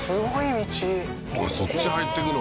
そっち入っていくの？